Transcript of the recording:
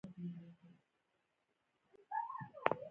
د افغانستان د شاته پاتې والي یو ستر عامل د تعلیمي بودیجې کمښت دی.